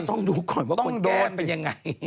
ต้องดูก่อนว่าคนแก้เป็นยังไง